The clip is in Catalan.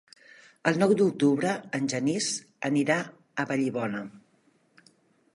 El nou d'octubre en Genís anirà a Vallibona.